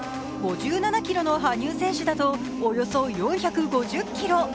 ５７ｋｇの羽生選手だとおよそ４５０ｋｇ。